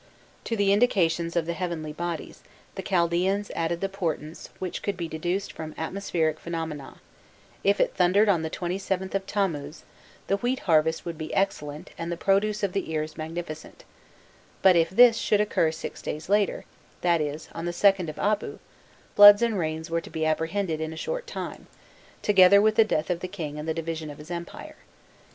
To the indications of the heavenly bodies, the Chaldaeans added the portents which could be deduced from atmospheric phenomena: if it thundered on the 27th of Tammuz, the wheat harvest would be excellent and the produce of the ears magnificent; but if this, should occur six days later, that is, on the 2nd of Abu, floods and rains were to be apprehended in a short time, together with the death of the king and the division of his empire.